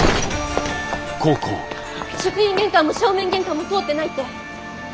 職員玄関も正面玄関も通ってないって。